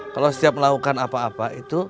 kalau setiap melakukan apa apa itu